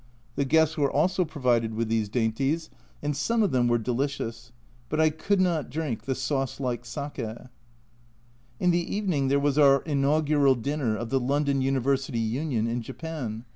The guests were also provided with these dainties, and some of them were delicious, but I could not drink the sauce like sake. In the evening there was our inaugural dinner of the London University Union in Japan.